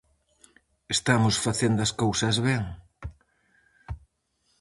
Estamos facendo as cousas ben?